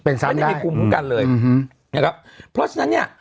ไม่ได้มีภูมิคุ้มกันเลยนะครับเพราะฉะนั้นเนี่ย